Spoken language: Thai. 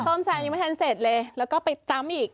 แล้วก็ไปหวังแล้วก็ไปซ้ำอีก